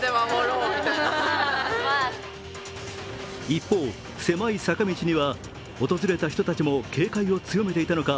一方、狭い坂道には訪れた人たちも警戒を強めていたのか